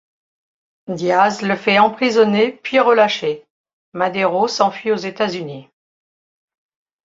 Díaz le fait emprisonner puis relâcher, Madero s'enfuit aux États-Unis.